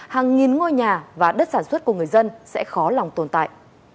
hàng nghìn ngôi nhà và đất sản xuất của người dân sẽ khó lòng tồn tại